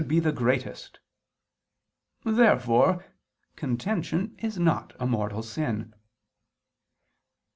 . be the greatest." Therefore contention is not a mortal sin.